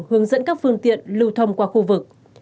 hướng dẫn các phương tiện lưu thông qua khu vực